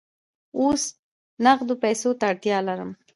اوس نغدو پیسو ته اړتیا لرم.